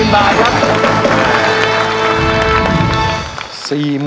๔๐๐๐๐บาทครับ